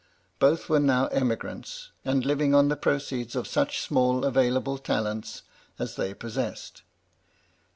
Both were now emigrants, and living on the proceeds of siich small available talents as they possessed.